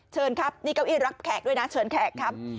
เชิญครับนี่เก้าอี้รับแขกด้วยนะเชิญแขกครับ